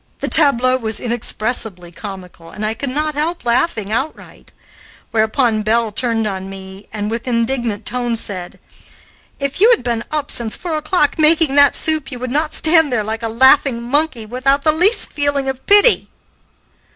The tableau was inexpressibly comical, and I could not help laughing outright; whereupon Belle turned on me, and, with indignant tones, said, "If you had been up since four o'clock making that soup you would not stand there like a laughing monkey, without the least feeling of pity!"